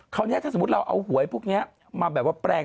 คราวนี้ถ้าสมมุติเราเอาหวยพวกนี้มาแบบว่าแปลง